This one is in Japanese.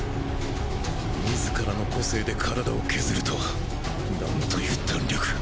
自らの個性で体を削るとはなんという胆力。